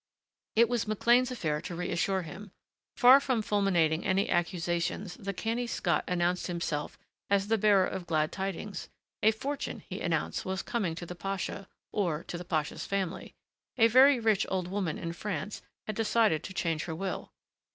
It was McLean's affair to reassure him. Far from fulminating any accusations the canny Scot announced himself as the bearer of glad tidings. A fortune, he announced, was coming to the pasha or to the pasha's family. A very rich old woman in France had decided to change her will.